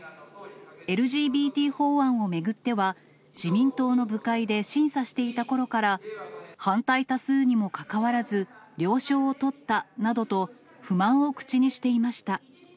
ＬＧＢＴ法案を巡っては、自民党の部会で審査していたころから、反対多数にもかかわらず、了承を取ったなどと、不満を口にしていました。